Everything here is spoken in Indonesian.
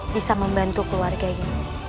bisa membantu keluarga ini